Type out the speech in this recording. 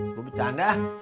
lo bercanda ah